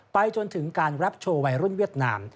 จนถึงการรับโชว์วัยรุ่นเวียดนาม